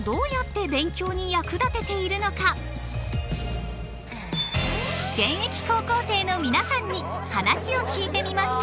みんな現役高校生の皆さんに話を聞いてみました。